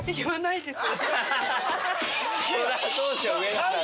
そりゃあそうでしょう上田さん。